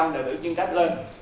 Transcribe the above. bốn mươi đại biểu chuyên trách lên